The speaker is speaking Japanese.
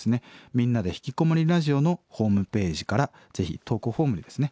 「みんなでひきこもりラジオ」のホームページからぜひ投稿フォームにですね